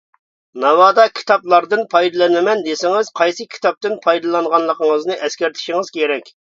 ناۋادا كىتابلاردىن پايدىلىنىمەن دېسىڭىز قايسى كىتابتىن پايدىلانغانلىقىڭىزنى ئەسكەرتىشىڭىز كېرەك.